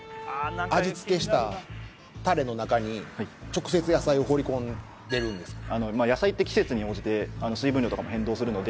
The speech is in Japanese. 味付けしたタレの中に直接野菜を放り込んでるんですか？